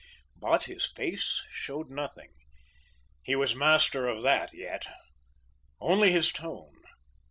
But his face showed nothing. He was master of that yet. Only his tone.